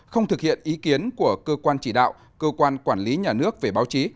không thực hiện ý kiến của cơ quan chỉ đạo cơ quan quản lý nhà nước về báo chí